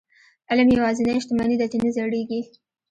علم یوازینۍ شتمني ده چې نه زړيږي.